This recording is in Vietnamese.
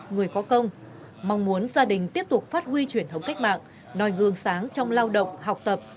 người có công mong muốn gia đình tiếp tục phát huy truyền thống cách mạng nòi gương sáng trong lao động học tập